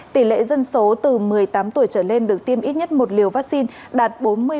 tỷ lệ dân số từ một mươi tám tuổi trở lên được tiêm ít nhất một liều vaccine đạt bốn mươi ba